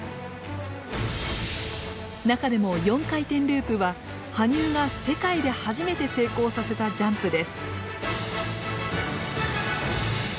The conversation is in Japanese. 中でも４回転ループは羽生が世界で初めて成功させたジャンプです。